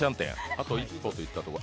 あと一歩といったところ。